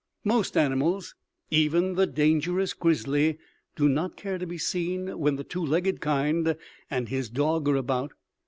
Most animals, even the dangerous grizzly, do not care to be seen when the two legged kind and his dog are about.